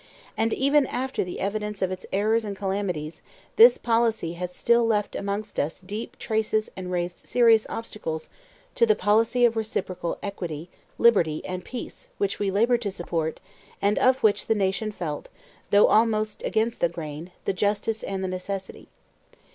And even after the evidence of its errors and calamities this policy has still left amongst us deep traces and raised serious obstacles to the policy of reciprocal equity, liberty, and peace which we labored to support, and of which the nation felt, though almost against the grain, the justice and the necessity."